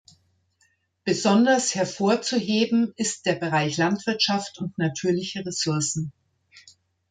Besonders hervorzuheben ist der Bereich Landwirtschaft und natürliche Ressourcen.